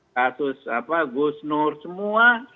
kasus gus nur semua